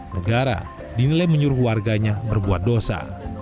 negara dinilai menyuruh warganya berbuat dosa